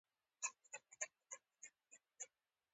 چې اوس ترې بغاوت اسانه نه دى.